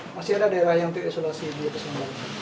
daerah yang diisolasi di sumatera barat